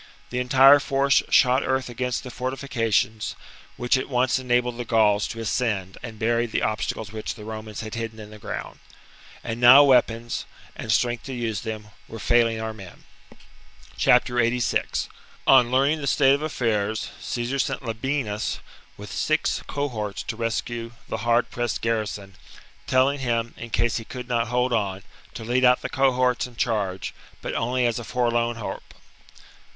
The entire force shot earth against the fortifications, which at once enabled the Gauls to ascend and buried the obstacles which the Romans had hidden in the ground. And now weapons, and strength to use them^ were failing our men. S6. On learning the state of affairs, Caesar sent Labienus with six cohorts to rescue the hard pressed garrison, telling him, in case he could not hold on, to lead out the cohorts and charge, but only as a forlorn hope.